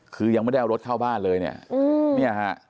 คือยังไม่ได้เอารถเข้าบ้านเลยเนี่ยฮะ